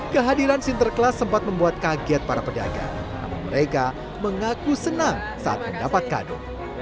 kehadiran sinterklaas sempat membuat kaget para pedagang namun mereka mengaku senang saat mendapat kado